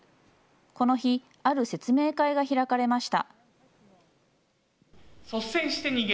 この日ある説明会が開かれました。